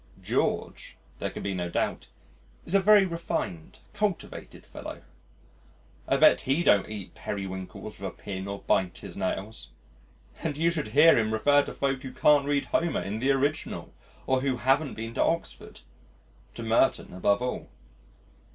George, there can be no doubt, is a very refined, cultivated fellow. I bet he don't eat periwinkles with a pin or bite his nails and you should hear him refer to folk who can't read Homer in the original or who haven't been to Oxford to Merton above all.